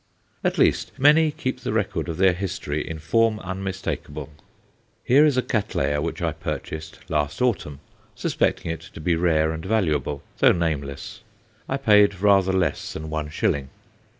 At least, many keep the record of their history in form unmistakable. Here is a Cattleya which I purchased last autumn, suspecting it to be rare and valuable, though nameless; I paid rather less than one shilling.